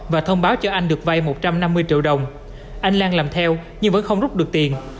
và thông báo cho anh được vay một trăm năm mươi triệu đồng anh lan làm theo nhưng vẫn không rút được tiền